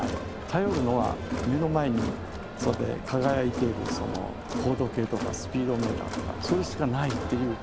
頼るのは目の前に輝いている高度計とかスピードメーターとかそれしかないっていう。